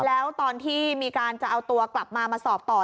แล้วตอนที่มีการจะเอาตัวกลับมามาสอบต่อ